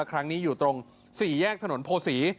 ครั้งนี้อยู่ตรง๔แยกถนนโพศี